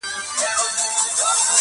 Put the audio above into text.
ښاماران مي تېروله -